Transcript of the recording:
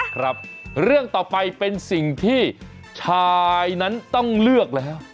ครับเรื่องต่อไปเป็นสิ่งที่ชายนั้นต้องเลือกแล้ว